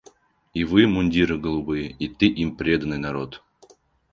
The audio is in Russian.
И вы, мундиры голубые, И ты, им преданный народ.